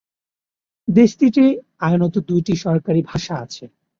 দেশটিতে আইনত দুইটি সরকারী ভাষা আছে।